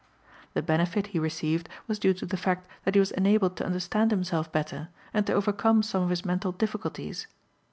The benefit he received was due to the fact that he was enabled to understand himself better and to overcome some of his mental difficulties.